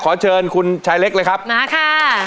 ขอเชิญคุณชายเล็กเลยครับมาค่ะ